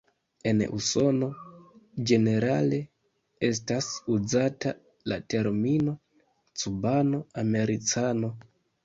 En Usono, ĝenerale estas uzata la termino "Cubano-Americano.